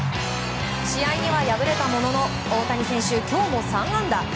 試合には敗れたものの大谷選手、今日も３安打。